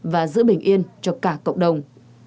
và giữ bình yên cho cả cộng đồng